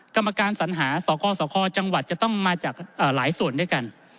กรรมการสัญหาสกสคจังหวัดจะต้องมาจากหลายส่วนด้วยกัน